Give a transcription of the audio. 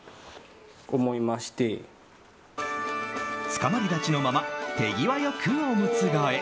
つかまり立ちのまま手際良くオムツ替え。